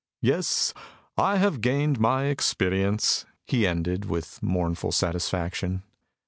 "Yes, I have gained my experience," he ended, with mournful satisfaction.